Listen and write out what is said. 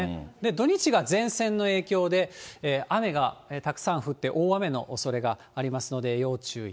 土日が前線の影響で、雨がたくさん降って、大雨のおそれがありますので、要注意。